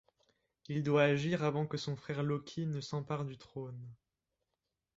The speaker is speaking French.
Il doit agir avant que son frère Loki ne s'empare du trône.